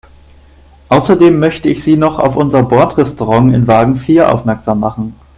Außerdem möchte ich Sie noch auf unser Bordrestaurant in Wagen vier aufmerksam machen.